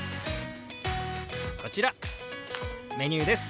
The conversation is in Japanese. こちらメニューです。